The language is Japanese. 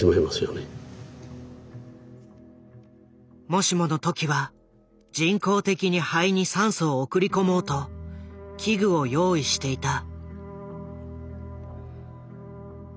もしもの時は人工的に肺に酸素を送り込もうと器具を用意していた。